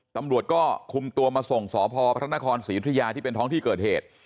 ตำรวจก็คุมตัวมาส่งสพพระนครศรียุธยาที่เป็นท้องที่เกิดเหตุ